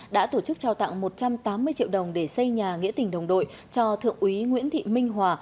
đã tổ chức trao tặng một trăm tám mươi triệu đồng để xây nhà nghĩa tình đồng đội cho thượng úy nguyễn thị minh hòa